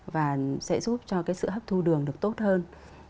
và sẽ giúp cho cái sự hấp thu đường được tốt hơn